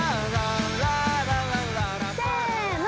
せの！